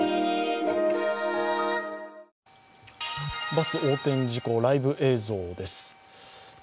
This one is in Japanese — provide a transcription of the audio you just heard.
バス横転事故、ライブ映像です。